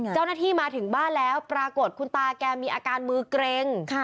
เจ้าหน้าที่มาถึงบ้านแล้วปรากฏคุณตาแกมีอาการมือเกร็ง